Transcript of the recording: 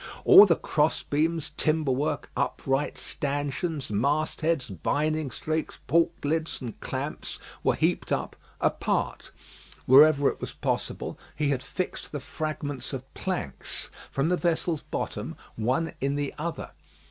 All the cross beams, timber work, uprights, stanchions, mast heads, binding strakes, portlids, and clamps, were heaped up apart. Wherever it was possible, he had fixed the fragments of planks, from the vessel's bottom, one in the other.